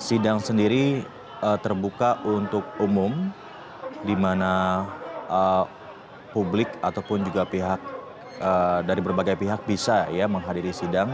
sidang sendiri terbuka untuk umum di mana publik ataupun juga pihak dari berbagai pihak bisa menghadiri sidang